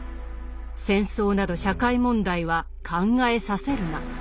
戦争など社会問題は考えさせるな。